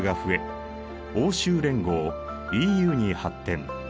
欧州連合に発展。